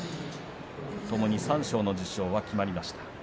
ともに三賞の受賞は決まりました。